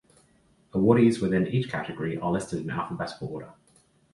Awardees within each category are listed in alphabetical order.